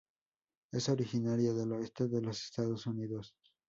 Es originaria del oeste de los Estados Unidos.